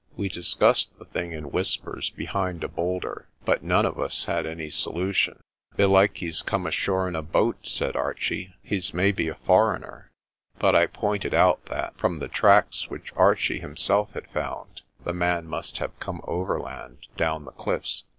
We dis cussed the thing in whispers behind a boulder, but none of us had any solution. "Belike he's come ashore in a boat," said Archie. "He's maybe a foreigner." But I pointed out that, from the tracks which Archie himself had found, the man must have come overland down the cliffs.